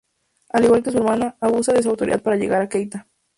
Al igual que su hermana, abusa de su autoridad para llegar a Keita.